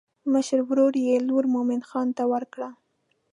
مشر ورور یې لور مومن خان ته ورکړه.